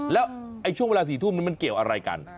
แล้วช่วงเวลา๔ทุ่มมันเกี่ยวอะไรกัน